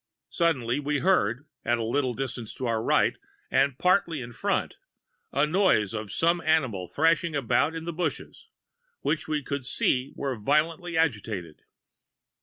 Suddenly, we heard, at a little distance to our right, and partly in front, a noise as of some animal thrashing about in the bushes, which we could see were violently agitated.